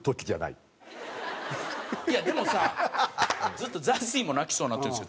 ずっとＺＡＺＹも泣きそうになってるんですよ。